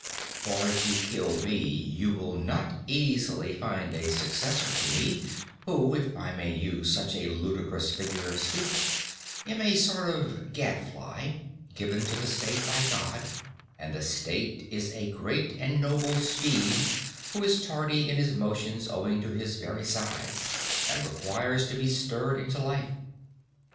For if you kill me you will not easily find a successor to me, who, if I may use such a ludicrous figure of speech, am a sort of gadfly, given to the state by God; and the state is a great and noble steed who is tardy in his motions owing to his very size, and requires to be stirred into life.